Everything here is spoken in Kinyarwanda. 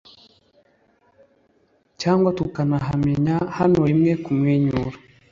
cyangwa Tutankhamen hano rimwe kumwenyura